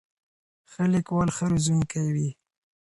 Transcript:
ښه لیکوال ښه روزونکی وي.